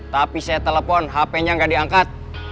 tapi saya telepon hp nya nggak diangkat